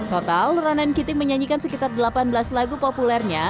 total ronan keating menyanyikan sekitar delapan belas lagu populernya